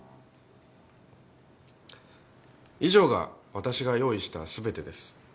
以上が私が用意したすべてです。